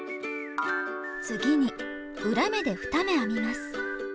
次に裏目で２目編みます。